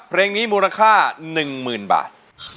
เพลงนี้มูลค่า๑๐๐๐บาท